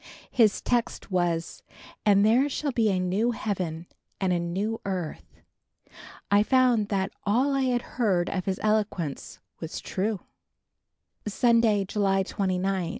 His text was "And there shall be a new heaven and a new earth." I found that all I had heard of his eloquence was true. Sunday, July 29.